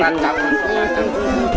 putar nih putar putar